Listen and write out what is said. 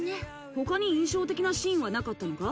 他に印象的なシーンはなかったのか？